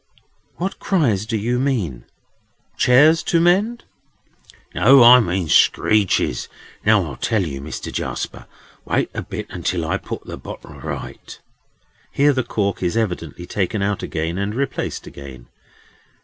"What cries do you mean? Chairs to mend?" "No. I mean screeches. Now I'll tell you, Mr. Jarsper. Wait a bit till I put the bottle right." Here the cork is evidently taken out again, and replaced again.